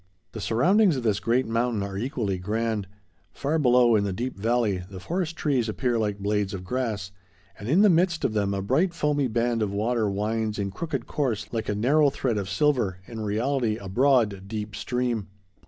The surroundings of this great mountain are equally grand. Far below in the deep valley, the forest trees appear like blades of grass, and in the midst of them a bright, foamy band of water winds in crooked course like a narrow thread of silver,—in reality, a broad, deep stream.